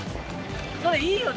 いいよね